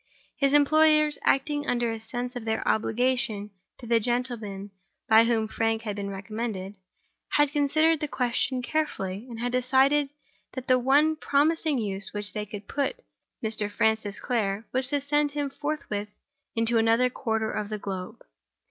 His employers (acting under a sense of their obligation to the gentleman by whom Frank had been recommended) had considered the question carefully, and had decided that the one promising use to which they could put Mr. Francis Clare was to send him forthwith into another quarter of the globe.